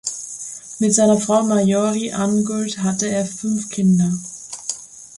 Mit seiner Frau Marjorie Ann Guild hatte er fünf Kinder.